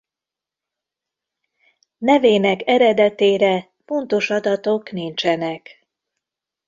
Nevének eredetére pontos adatok nincsenek.